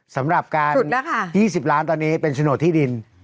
สำหรับการ๒๐ล้านตอนนี้เป็นโฉนดที่ดิน